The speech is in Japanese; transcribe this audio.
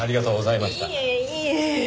いえいえ。